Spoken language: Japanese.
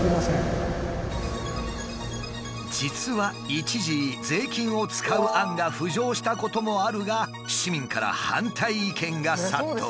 実は一時税金を使う案が浮上したこともあるが市民から反対意見が殺到。